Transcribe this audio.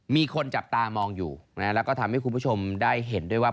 มีคนจับตามองอยู่แล้วก็ทำให้คุณผู้ชมได้เห็นด้วยว่า